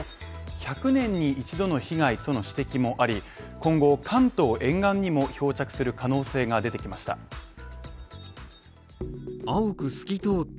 １００年に一度の被害との指摘もあり、今後、関東沿岸にも漂着する可能性が出てきました。